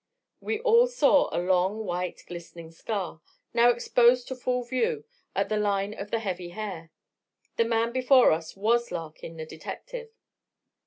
We all saw a long, white, glistening scar, now exposed to full view at the line of the heavy hair. The man before us was Larkin the detective.